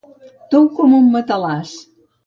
Tou com un matalàs.